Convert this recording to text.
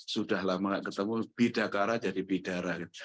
sudah lama tidak ketemu bidakara jadi bidara